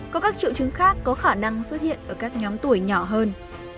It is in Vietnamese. có các triệu chứng khác có khả năng xuất hiện ở các nhóm tuổi nhỏ hơn